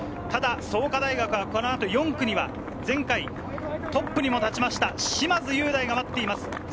ただ創価大学はこの後、４区には前回、トップにも立ちました嶋津雄大が待っています。